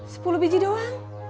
sepuluh biji doang